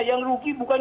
yang rugi pun akan rugi